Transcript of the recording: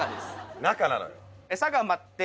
中なのよ。